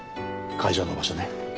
会場の場所ね。